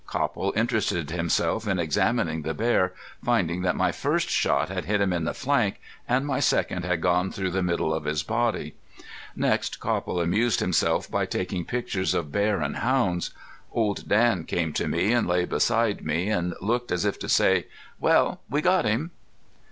Copple interested himself in examining the bear, finding that my first shot had hit him in the flank, and my second had gone through the middle of his body. Next Copple amused himself by taking pictures of bear and hounds. Old Dan came to me and lay beside me, and looked as if to say: "Well, we got him!"